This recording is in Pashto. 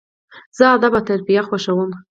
زه ادب او تربیه خوښوم.